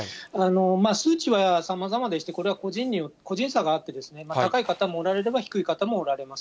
数値はさまざまでして、これは個人差があって、高い方もおられれば、低い方もおられます。